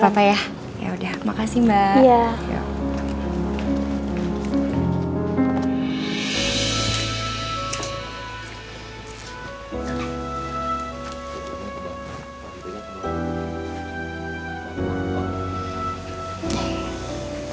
gapapa ya yaudah makasih mbak